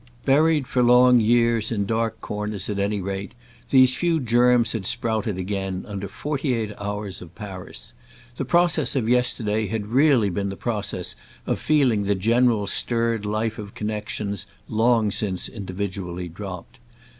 Buried for long years in dark corners at any rate these few germs had sprouted again under forty eight hours of Paris. The process of yesterday had really been the process of feeling the general stirred life of connexions long since individually dropped.